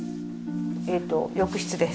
ええと浴室です。